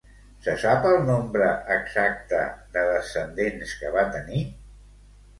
Se sap el nombre exacte de descendents que va tenir?